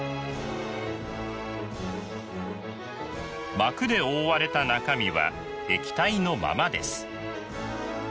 膜で覆われた中身は液体のままです。